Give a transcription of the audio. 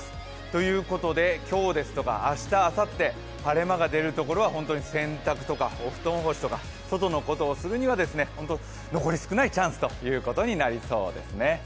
ということで今日ですとか明日あさって晴れ間が出るところは本当に洗濯とかお布団干しとか外のことをするには残り少ないチャンスということになりそうですね。